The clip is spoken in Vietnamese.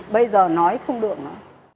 bây giờ nói không được nữa